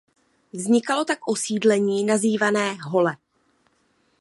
Vznikalo tak osídlení nazývané "hole".